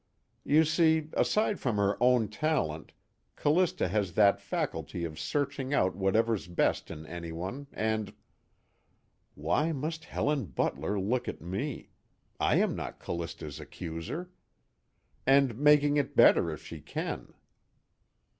"You see, aside from her own talent, Callista has that faculty of searching out whatever's best in anyone, and " Why must Helen Butler look at me? I am not Callista's accuser! "and making it better if she can."